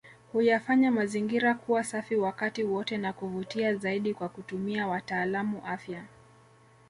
Huyafanya mazingira kuwa safi wakati wote na kuvutia zaidi Kwa kutumia watalaamu afya